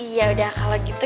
ya udah kalau gitu